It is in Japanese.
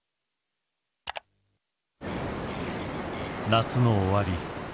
夏の終わり。